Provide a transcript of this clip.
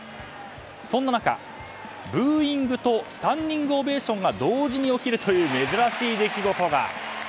そんな中、ブーイングとスタンディングオベーションが同時に起きるという珍しい出来事が。